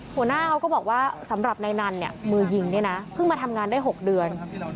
หัวหน้าเขาก็บอกว่าสำหรับนายนันเนี่ยมือยิงเนี่ยนะเพิ่งมาทำงานได้๖เดือน